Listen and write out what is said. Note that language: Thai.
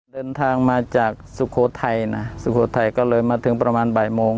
เดินทางมาจากสุโขทัยนะสุโขทัยก็เลยมาถึงประมาณบ่ายโมง